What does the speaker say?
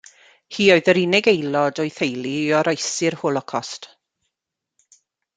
Hi oedd yr unig aelod o'i theulu i oroesi'r Holocost.